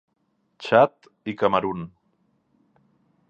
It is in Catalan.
Txad i Camerun.